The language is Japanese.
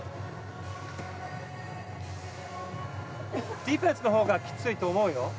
ディフェンスのほうがきついと思うよ。